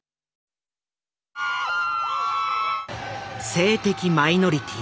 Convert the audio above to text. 性的マイノリティー